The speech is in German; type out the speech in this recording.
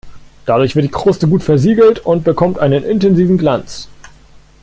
Dadurch wird die Kruste gut versiegelt und bekommt einen intensiven Glanz.